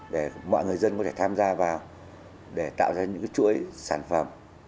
để mọi người dân có thể tham gia vào để tạo ra những chuỗi sản phẩm